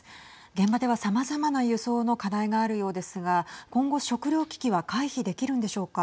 現場ではさまざまな輸送の課題があるようですが今後、食糧危機は回避できるんでしょうか。